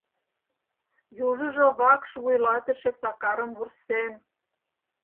Южыжо вакш вуйлатыше Сакарым вурсен.